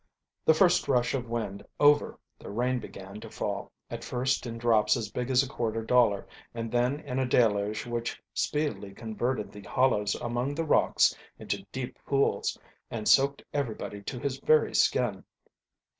The first rush of wind over, the rain began, to fall, at first in drops as big as a quarter dollar and then in a deluge which speedily converted the hollows among the rocks into deep pools and soaked everybody to his very skin.